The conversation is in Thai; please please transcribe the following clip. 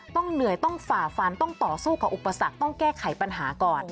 ต้องเหนื่อยต้องฝ่าฟันต้องต่อสู้กับอุปสรรคต้องแก้ไขปัญหาก่อน